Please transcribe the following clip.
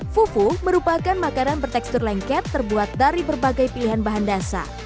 fufu merupakan makanan bertekstur lengket terbuat dari berbagai pilihan bahan dasar